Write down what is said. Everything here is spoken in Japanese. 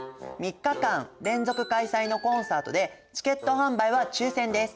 ３日間連続開催のコンサートでチケット販売は抽選です。